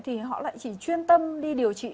thì họ lại chỉ chuyên tâm đi điều trị